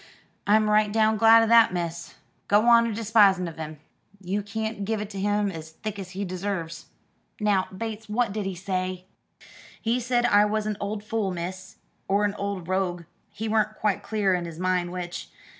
"I'm right down glad 'o that, miss. Go on a despising of him. You can't give it him as thick as he deserves." "Now, Bates, what did he say?" "He said I was a old fool, miss, or a old rogue, he weren't quite clear in his mind which.